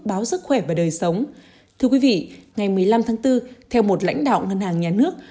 báo sức khỏe và đời sống thưa quý vị ngày một mươi năm tháng bốn theo một lãnh đạo ngân hàng nhà nước